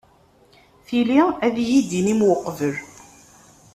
Tili ad iyi-d-tinim uqbel.